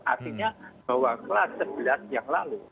artinya bahwa kelas sebelas yang lalu